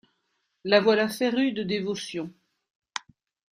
La voilà férue de dévotion.